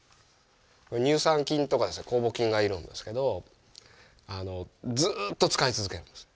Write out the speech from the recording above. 乳酸菌とか酵母菌がいるんですけどずっと使い続けるんです。